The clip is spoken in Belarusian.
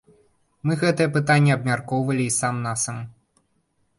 Мы гэтае пытанне абмяркоўвалі і сам-насам.